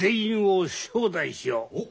おっ！